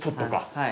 はい。